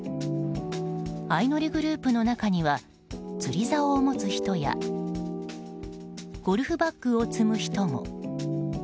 相乗りグループの中には釣りざおを持つ人やゴルフバッグを積む人も。